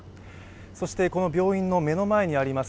そしてこの病院の目の前にあります